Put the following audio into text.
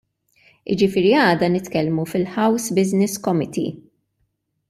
Jiġifieri għada nitkellmu fil-House Business Committee.